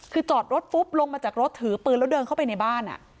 คือจอดรถปุ๊บลงมาจากรถถือปืนแล้วเดินเข้าไปในบ้าน